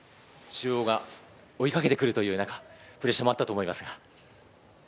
中央が追いかけてくる中、プレッシャーもあったと思います。